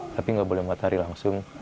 tapi nggak boleh matahari langsung